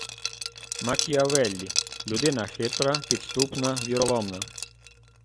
Макіавеллі - людина хитра, підступна, віроломна